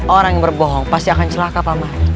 orang yang berbohong pasti akan celaka pak man